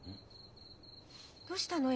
どうしたの？